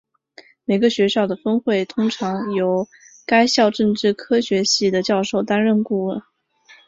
每个学校的分会通常由该校政治科学系的教授担任顾问。